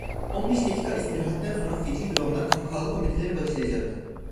On beş dakika istirahatten sonra feci dramlar, kahkahalı komediler başlayacaktı…